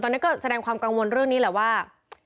ตอนนี้ก็แสดงความกังวลเรื่องนี้แหละว่า